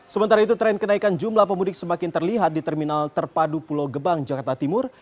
sementara itu tren kenaikan jumlah pemudik semakin terlihat di terminal terpadu pulau gebang jakarta timur